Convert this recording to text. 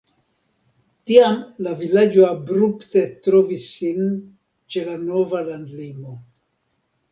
Tiam la vilaĝo abrupte trovis sin ĉe la nova landlimo.